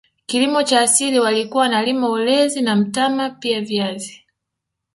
Kilimo cha asili walikuwa wanalima ulezi na mtama pia viazi